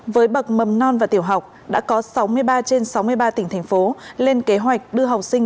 với bậc mầm non và tiểu học đã có sáu mươi ba trên sáu mươi ba tỉnh thành phố lên kế hoạch đưa học sinh